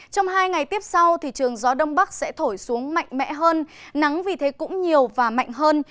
trong hai ngày tiếp sau trường gió đông bắc sẽ thổi xuống mạnh mẽ hơn nắng vì thế cũng nhiều và mạnh hơn